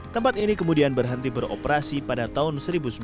tempat ini kemudian berhenti beroperasi pada tahun seribu sembilan ratus sembilan puluh